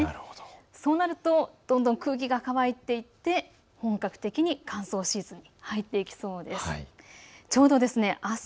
そうなると、どんどん空気が乾いていって本格的に乾燥シーズンに入っていきそうです。